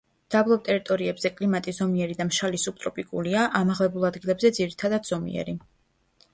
დაბლობ ტერიტორიებზე კლიმატი ზომიერი და მშრალი სუბტროპიკულია, ამაღლებულ ადგილებზე ძირითადად ზომიერი.